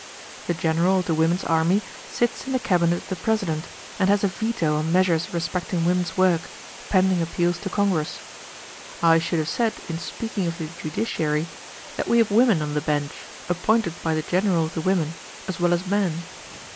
The general of the women's army sits in the cabinet of the President and has a veto on measures respecting women's work, pending appeals to Congress. I should have said, in speaking of the judiciary, that we have women on the bench, appointed by the general of the women, as well as men.